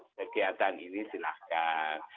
kegiatan ini silahkan